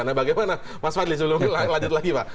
nah bagaimana mas fadli sebelum lanjut lagi pak